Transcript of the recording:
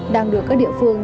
đang được các địa phương